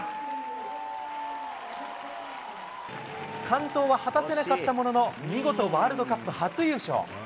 完登は果たせなかったものの見事ワールドカップ初優勝。